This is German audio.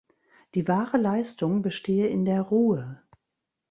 Die wahre Leistung bestehe in der Ruhe.